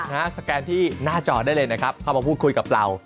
สแกนที่หน้าจอได้เลยนะครับเข้ามาพูดคุยกับเรา